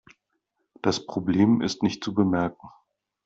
Das Problem ist nicht zu bemerken.